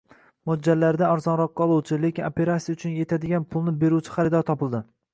Mo`ljallaridan arzonroqqa oluvchi, lekin operasiya uchun etadigan pulni beruvchi xaridor topildi